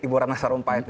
ibu ratna sarumpait